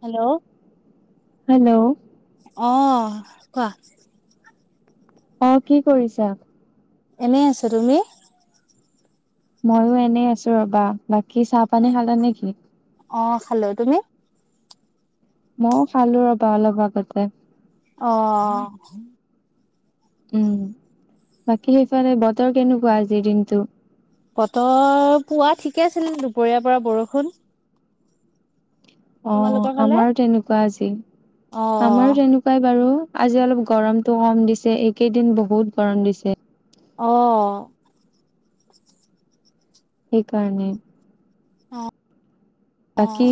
Hello hello অ কোৱা অ কি কৰিছা এনেই আছো তুমি ময়ো এনেই আছো ৰবা বাকী চাহ পানী খালে নেকি? অ খালো তুমি। মইও খালো ৰবা অলপ আগতে। অ উম বাকী সেইফালে বতৰ কেনেকুৱা আজিৰ দিনটো? বতৰ পুৱা ঠিকে আছিল দুপৰীয়াৰ পৰা বৰষুণ। অ তোমালোকৰ ফালে আমাৰো তেনেকোৱা আজি অ আমাৰো তেনে কোৱাই বাৰু আজি অলপ গৰমতো কম দিছে এইকেইদিন বহুত গৰম দিছে অ সেইকাৰণে অ অ বাকী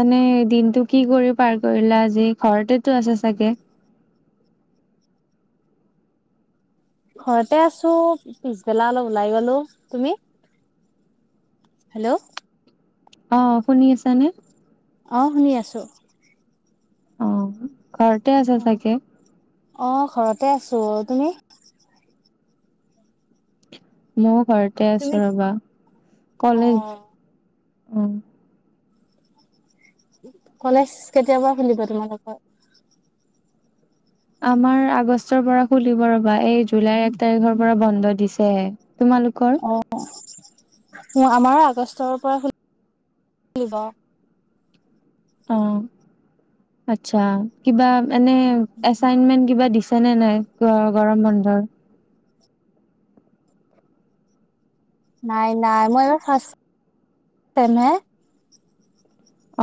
এনে দিনতটো কি কৰি পাৰ কৰিলা, আজি ঘৰতেতো আছা চাগে? ঘৰতে আছো পিছবেলা অলপ ওলাই গলো। তুমি? হেল্ল' অ শুনি আছানে? অ শুনি আছো। অ ঘৰতে আছে চাগে? অ ঘৰতে আছোঁ। তুমি? ময়ো ঘৰতে তুমি আছো ৰবা অ কলেত অ কলেজ কেতিয়া পা খোলিব তোমালোকৰ। আমাৰ আগষ্টৰ পৰা খুলিব ৰবা এই জুলাইৰ এক তাৰিখৰ পৰা বন্ধ দিছ- যে তোমালোকৰ। অ আমাৰ আগষ্টৰ পৰা খুলিব। অ আচ্ছা কিবা এনে এছাইনমেণ্ট কিবা দিছে নে নাই গ গৰম বন্ধৰ। নাই নাই মই এইবাৰ ফাৰ্ষ্ট ছেম হে।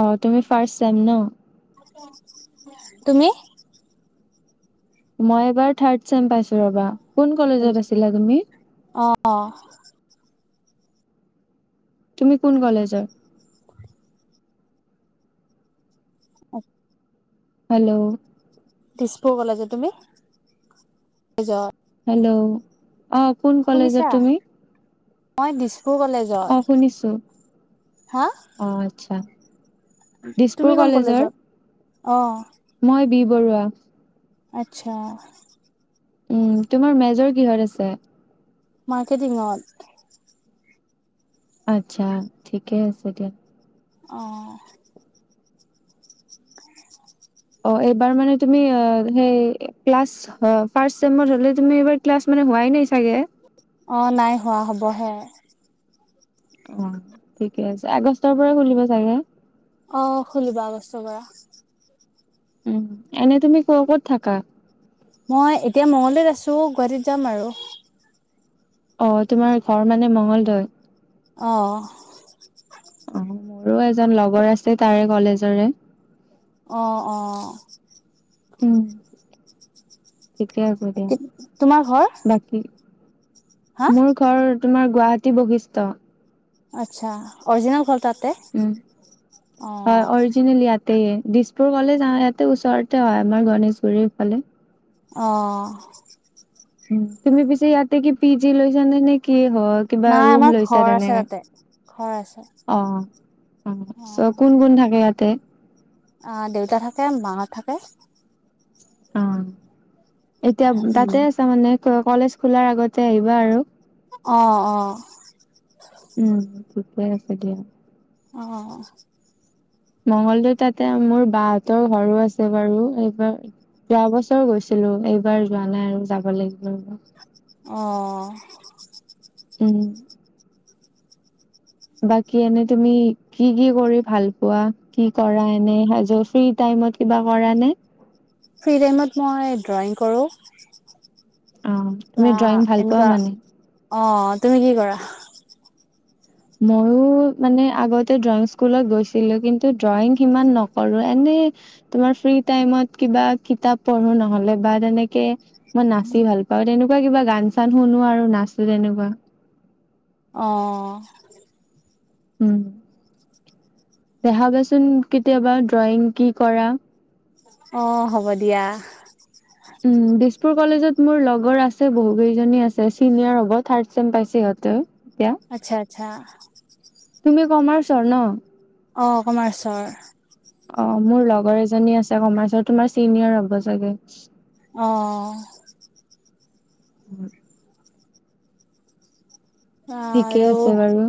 অ তুমি ফাৰ্ষ্ট ছেম ন। তুমি মই এবাৰ থাৰ্ড ছেম পাইছো ৰবা। কোন কলেজত আছিলা তুমি? অ। তুমি কোন কলেজৰ? অক হেল্ল' দিছপুৰ কলেজত। তুমি? [unintelligible] হেল্ল' অ কোন কলেজত শুনিছা, তুমি? মই দিছপুৰ কলেজ। অ শুনিছো, আহ আচ্ছা। তুমি দিছপুৰ কোন কলেজৰ। কলেজত অ। মই বি বৰুৱা। আত্চ্ছা। উম তোমাৰ মেজৰ কিহত আছে। মাৰ্কেটিঙত। আচ্ছা ঠিকে আছে দিয়া। অ। [inaudible] অ এইবাৰ মানে তুমি সেই ক্লাছ হয় ফাৰ্ষ্ট ছেমত হ'লে তুমি এইবাৰ ক্লাছ মানে হোৱাই নাই চাগে। অ নাই হোৱা হ'বহে। অ ঠিকে আছে আগষ্টৰ পৰাই খুলিব চাগে। অ খুলিব আগষ্টৰ পৰা। উ এনে তুমি ক' ক'ত থাকা। মই এতিয়া মঙ্গলদৈত আছোঁ গুৱাহাটীত যাম আৰু। অ তোমাৰ ঘৰ মানে মঙ্গলদৈত। অও। মোৰো এজন লগৰ আছিলে তাৰে কলেজৰে। অঁ অঁ। উম ঠিকে আছে দিয়া তোমাৰ ঘৰ বাক- হা মোৰ ঘৰ তোমাৰ গুৱাহাটী বৈশিষ্ট। আচ্ছা অৰজিনেল ঘৰ তাতে। উম অ হয় অৰজিনেলি ইয়াত। তে দিছপুৰ কলেজ যাও ইয়াতে ওচৰতে হয় আমাৰ গণেশগুৰিৰ ফালে। অ, তুমি পিছে ইয়াতে কি পি জি লৈছা নে, নে কি হয়। কিবা নাই ৰুম আমাৰ লৈছা ঘৰ আছে তেনেকা তাতে ঘৰ আছে অঁ। অঁ অ চ' কোন কোন থাকে ইয়াতে। আহ দেউতা থাকে মা হত থাকে। অ'। এতিয়া ব উম তাতে আছা মানে কলেজ খোলাৰ আগতে আহিবা আৰু অঁ অঁ। উম ঠিকেই আছে দিয়া। অঁ। মঙ্গলদৈৰ তাতে মোৰ বাহঁতৰ ঘৰো আছে বাৰু এইবাৰ, যোৱা বছৰ গৈছিলো এইবাৰ যোৱা নাই আৰু যাব লাগিব। অঁ। উম। বাকী এনেই তুমি কি কি কৰি ভাল পোৱা কি কৰা এনেই ফ্ৰী টাইমত। কিবা কৰা নে? ফ্ৰী টাইমত মই ড্ৰয়িং কৰোঁ। অ', তুমি বা ড্ৰয়িং ভাল পোৱা এনেকুৱা মানে? অঁ তুমি কি কৰা? মইয়ো মানে আগতে ড্ৰয়িং স্কুলত গৈছিলো কিন্তু ড্ৰয়িং সিমান নকৰো এনেই, তোমাৰ ফ্ৰী টাইমত কিবা কিতাপ পঢ়ো নহলে বা তেনেকে। মই নাচি ভাল পাও তেনেকুৱা কিবা গান চান শুনো আৰু নাচো তেনেকুৱা। অঁ। উম দেখাবাচোন কেতিয়াবা ড্ৰয়িং কি কৰা। অ হ'ব দিয়া। উম দিছপুৰ কলেজত মোৰ লগৰ আছে বহু কেইজনী আছে চিনিয়ৰ হ'ব থাৰ্ড চেম পাইছে সিহঁতে। এতিয়া, আচ্ছা আচ্ছা, তুমি কমাৰ্চৰ ন। অঁ কমাৰ্চৰ। অঁ মোৰ লগৰ এজনী আছে কমাৰ্চৰ তোমাৰ চিনিয়ৰ হ'ব চাগে। অঁ অঁ। ঠিকে আৰু আছে বাৰু,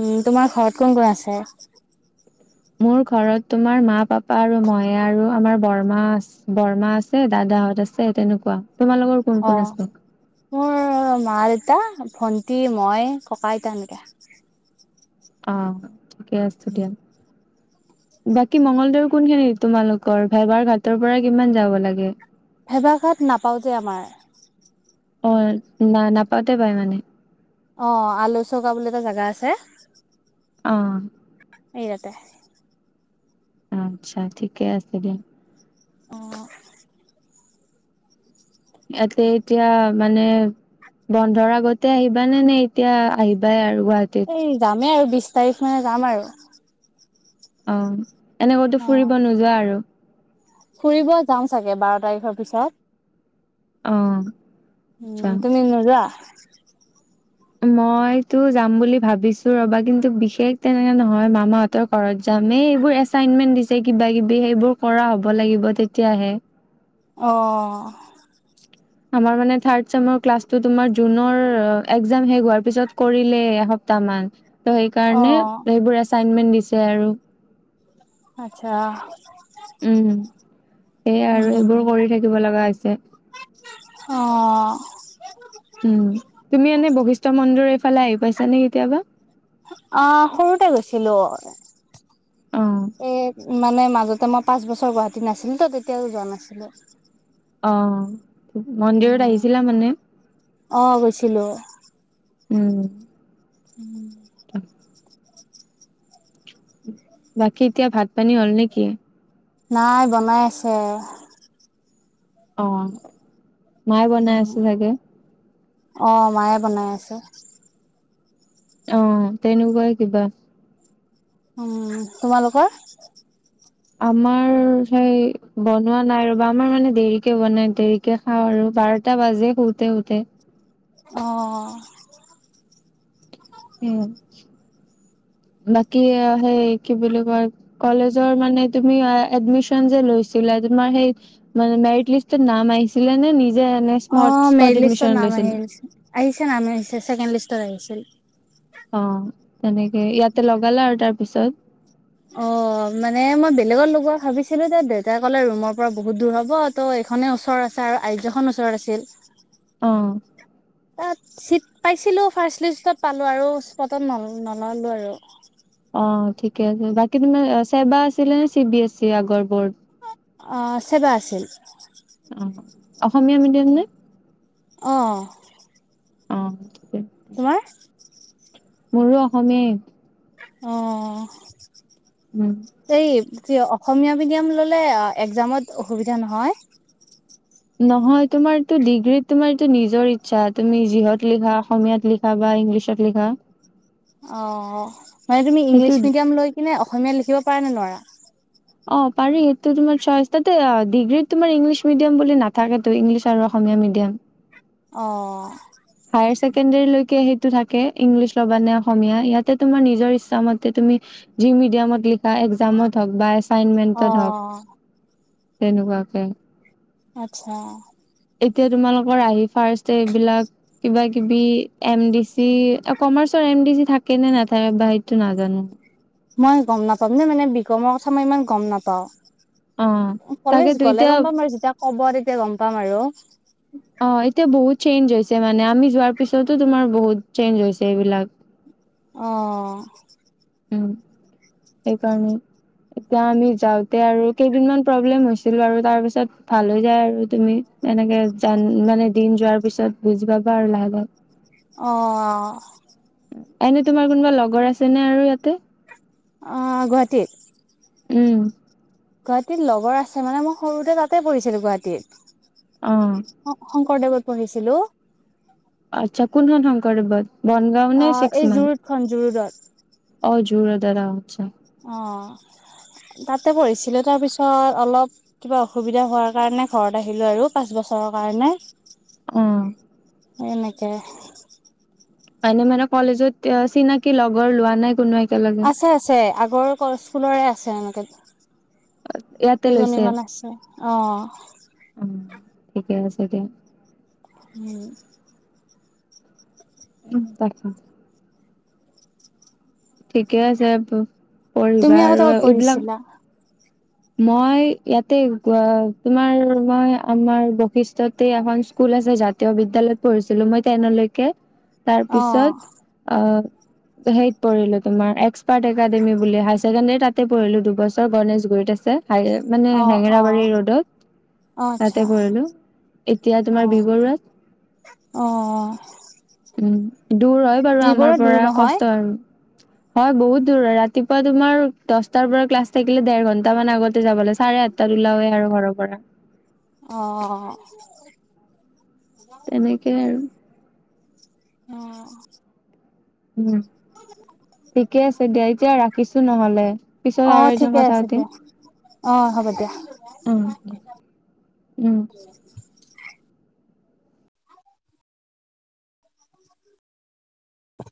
উম তোমাৰ ঘৰত কোন কোন আছে। মোৰ ঘৰত তোমাৰ মা পাপা আৰু ময়ে আৰু আমাৰ বৰমা আছে। বৰ্মা আছে দাদাহত আছে তেনেকুৱা তোমালোকৰ, কোন কোন অঁ আছে মোৰ মা দেতা ভণ্টি মই ককা আইতা এনেকা। অঁ ঠিকে আছে দিয়া। বাকী মঙ্গগলদৈৰ কোন খিনিত তোমালোকৰ ভেবাৰ ঘাটৰ পৰা কিমান যাব লাগে। ভেবাঘাত নাপাওঁতে আমাৰ। অ না নাপাওঁতে পায় মানে। অঁ আলৌ চৌকা বুলি এটা জাগা আছে। অঁ। এই ৰাতে। আচ্ছা ঠিকে আছে দিয়া। অঁহ। এয়াতে এতিয়া মানে বন্ধৰ আগতে আহিবা নে নে এতিয়া আহিবাই আৰু গুৱাহাটীত এই যামেই আৰু বিশ তাৰিখ মানে যাম আৰু অ এনেইকতো অ', ফুৰিব নোযোৱা আৰু ফুৰিব যাম চাগে বাৰ তাৰিখৰ পিছত। অ উম আচ্ছা তুমি নোযোৱা? মইতো যাম বুলি ভাবিছো ৰবা কিন্তু বিশেষ তেনেকে নহয় মামা ত ঘৰত যামে, এইবোৰ এচাইনমেন্ট দিছে কিবা - কিবি সেইবোৰ কৰা হ'ব লাগিব তেতিয়াহে। অ। আমাৰ মানে থাৰ্ড ছেমৰ ক্লাছটো তোমাৰ জুনৰ একজাম শেষ হোৱাৰ পিছত কৰিলে এসপ তামান, ত সেইকাৰণে অ', সেইবোৰ এচাইনমেন্ট দিছে আৰু। আচ্ছা। উম সেইয়াই আৰু উম, এইবোৰ কৰি থাকিব লগা হৈছে। অ। উম, তুমি এনে বশিষ্ঠ মন্দিৰ এইফালে আহি পাইছা নে কেতিয়াবা? অ সৰুতে গৈছিলো। অ এ মানে মাজতে মই পাঁচ বছৰ গুৱাহাটীত নাছিলো তো তেতিয়াও যোৱা নাছিলোঁ। অ, মন্দিৰত উম, আহিছিলা মানে? অ', গৈছিলো। উম। [inaudible] বাকী এতিয়া ভাত পানী হ'ল নেকি? নাই বনাই আছে। অ, মায়ে বনাই উম, আছে চাগে? অ মায়ে বনাই আছে। অ তেনেকুৱাই কিবা। উম তোমালোকৰ? আমাৰ সেই বনোৱা নাই ৰবা! আমাৰ মানে দেৰিকে বনাই দেৰিক কে খাওঁ আৰু বাৰটা বাজে শুতে শুতে। অ। উম, বাকী সেই কি বুলি কয়? কলেজৰ মানে তুমি এডমিশ্যন যে লৈছিলা, তোমাৰ সেই মানে মেৰিট লিষ্টত নাম আহিছিলে নে নিজে এনে অ স্মট স্পট মেৰিট লিষ্টত এডমিশন নাম লৈছিলা আহিলচ, আহিছে নাম আহিছে ছেকেণ্ড লিষ্টত আহিছিল। অ তেনেকে ইয়াতে লগালা আৰু তাৰ পিছত। অ মানে মই বেলেগত লগোৱা ভাবিছিলো তে দেউতাই ক'লে ৰুমৰ পৰা বহুত দূৰ হব ত' এইখনে ওচৰ আছে আৰু আৰ জ খন ওচৰ আছিল। অহ। তাত চিট পাইছিলো ফাৰ্ষ্ট লিষ্টত পালো আৰু স্পটত ন নললো আৰু। অ ঠিকে আছে, বাকী তোমাৰ ছেবা আছিলে নে চি বি এছ ই আগৰ বৰ্ড? অ ছেবা আছিল। অ অসমীয়া মিডিয়াম নে? অ। অ ঠিকেই। তোমাৰ? মোৰো অসমে অ। উম। তেই তিয় অসমীয়া মিডিয়াম ললে আ একজামত অসুবিধা নহয়? নহয় তোমাৰটো ডিগ্ৰীত তোমাৰটো নিজৰ ইচ্ছা তুমি যিহত লিখা অসমীয়াত লি পাবা ইংলিছত লিখা। অ, মানে তুমি সেইটো ইংলিছ মিডিয়াম লৈ কিনে অসমীয়া লিখিব পাৰা নে নোৱাৰা? অ পাৰি, এইটো তোমাৰ চইচ তাতে ডিগ্ৰীত তোমাৰ ইংলিছ মিডিয়াম বুলি নাথাকেতো ইংলিছ আৰু অসমীয়া মিডিয়াম। অ। অ। হায়াৰ ছেকেণ্ডৰীলৈকে সেইটো থাকে, ইংলিছ ল'বা নে অসমীয়া ইয়াতে তোমাৰ নিজৰ ইচ্ছামতে তুমি যি মিডিয়ামত লিখা একজামত হওক বা এছ ফাইনমেণ্টত হওক অ' তেনেকুৱাকে। আচ্ছা। এতিয়া তোমালোকৰ আহি ফাৰ্ষ্ট এইবিলাক কিবা- কিবি এম ডি চি কমাৰ্চৰ এম ডি চি থাকে নে নাথাকে বা সেইটো নাজানো। মই গম নাপাম নে মানে বিকমৰ কথা মই ইমান গম নাপাওঁ। অ কলেজ তাকেতো গ'লে এতিয়া গম পাম আৰু যেতিয়া ক'ব তেতিয়া গম পাম আৰু। অ, এতিয়া বহুত চেঞ্জ হৈছে মানে আমি যোৱাৰ পিছতো তোমাৰ বহুত চেঞ্জ হৈছে এইবিলাক। অ', উম, এইকাৰণে। এতিয়া আমি যাওঁতে আৰু কেইদিনমান প্ৰব্লেম হৈছিল বাৰু তাৰ পিছত ভাল হৈ যায় আৰু তুমি। এনেকে জান মানে দিন যোৱাৰ পিছত বুজি পাবা আৰু লাহে-লাহে। অ', এনে তোমাৰ কোনবা লগৰ আছে নে আৰু ইয়াতে? অ, গুৱাহাটীত? উম। গুৱাহাটীত লগৰ আছে মানে মই সৰুতে তাতে পঢ়িছিলো গুৱাহাটীত। অহ', অ, শংকৰদেৱত পঢ়িছিলোঁ। আচ্ছা কোনখন শংকৰদেৱত বনগাঁও নে ছিক্স মাইল? খন জুৰোডত। অ, জুৰোডত অ, আচ্ছা। অ, তাতে পঢ়িছিলে তাৰপিছত অলপ কিবা অসুবিধা হোৱাৰ কাৰণে ঘৰত আহিলোঁ আৰু পাঁচ বছৰৰ কাৰণে। অ', এই এনেকে এনে মানে কলেজত চিনাকি লগৰ লোৱা নাই কোনো এক আছে- আছে আগৰ কৰ স্কুলৰে আছে এনেকে। ইয়াতে কেইজনী মান আছে অ। উম, ঠিকে আছে দিয়া। হম। উম, তাকে। ঠিকে আছে প পঢ়িবা তুমি আগতে আৰু ক'ত এইবিলাক। পঢ়িছিলা মই ইয়াতে গুৱা তোমাৰ মই আমাৰ বৈশিষ্ট্যতে এখন স্কুল আছে যাত তীয় বিদ্যালয়ত পঢ়িছিলোঁ মই তেনলৈকে তাৰ অ পিছত আহ সেইত পঢ়িলোঁ তোমাৰ এক্সপাৰ্ট একাডেমি বুলি হায়াৰ ছেকেণ্ডাৰী তাতে পঢ়িলোঁ দুবছৰ গণেশগুৰিত আছে। ছে মানে অ অ হেঙেৰাবাৰী ৰোডত। অ আচ্ছা তাতে পঢ়িলোঁ এতিয়া অ তোমাৰ বি বৰুৱাত। অ', উম, দূৰ হয় বাৰু যিবোৰো আমাৰ দূৰ পৰা নহয় কষ্ট আৰু। হয় বহুত দূৰ হয় ৰাতিপুৱা তোমাৰ দছটাৰ পৰা ক্লাছ থাকিলে দেৰ ঘণ ণ্টা মান আগতে যাব লাগে চাৰে আঠটাত উলাওৱে আৰু ঘৰৰ পৰা। তেনেকে আৰু অ'! অ'! উম! ঠিকে আছে, দিয়া। এতিয়া, ৰাখিছোঁ নহ'লে, পিছত অ আৰু এদিন ঠিকে কথা আছে দিয়া পাতিম। অ, হ'ব দিয়া। উম- উম